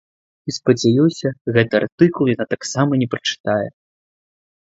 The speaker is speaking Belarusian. І спадзяюся, гэты артыкул яна таксама не прачытае.